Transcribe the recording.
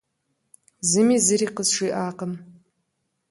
Зыми зыри къызжиӀакъым.